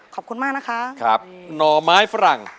ขอบคุณมากนะคะครับหน่อไม้ฝรั่ง